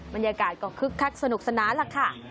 บรรยากาศก็คึกคักสนุกสนานล่ะค่ะ